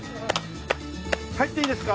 入っていいですか？